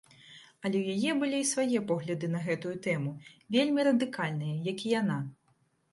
Але ў яе былі свае погляды на гэтую тэму, вельмі радыкальныя, як і яна.